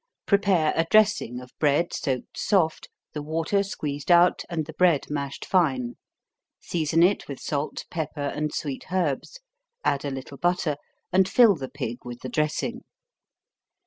Prepare a dressing of bread soaked soft, the water squeezed out, and the bread mashed fine, season it with salt, pepper, and sweet herbs, add a little butter, and fill the pig with the dressing.